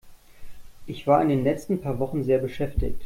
Ich war in den letzten paar Wochen sehr beschäftigt.